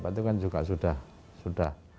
itu kan juga sudah